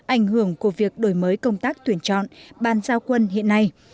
ảnh hưởng của việc đổi mới công tác tuyển chọn bàn giao quân hiện nay